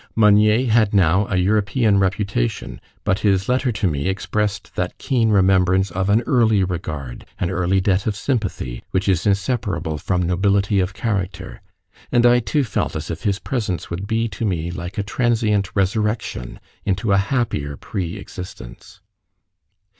Meunier had now a European reputation; but his letter to me expressed that keen remembrance of an early regard, an early debt of sympathy, which is inseparable from nobility of character: and I too felt as if his presence would be to me like a transient resurrection into a happier pre existence.